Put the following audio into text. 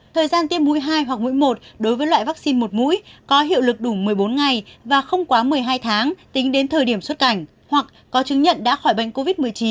thời gian tiêm mũi hai hoặc mũi một đối với loại vaccine một mũi có hiệu lực đủ một mươi bốn ngày và không quá một mươi hai tháng tính đến thời điểm xuất cảnh hoặc có chứng nhận đã khỏi bệnh covid một mươi chín